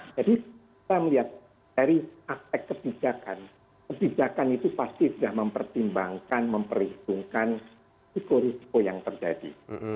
jadi kita melihat dari aspek kebijakan kebijakan itu pasti sudah mempertimbangkan memperhitungkan sikor sikor yang terjadi